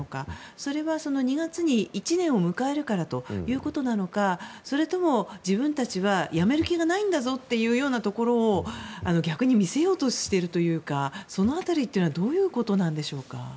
それは２月に１年を迎えるからということなのかそれとも、自分たちはやめる気がないんだぞというところを逆に見せようとしているというかその辺りというのはどういうことなんでしょうか。